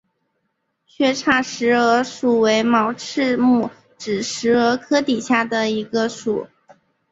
缺叉石蛾属为毛翅目指石蛾科底下的一个属。